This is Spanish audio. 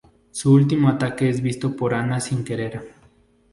Su último ataque es visto por Anna sin querer.